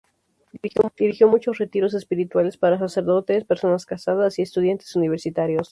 Dirigió muchos retiros espirituales para sacerdotes, personas casadas y estudiantes universitarios.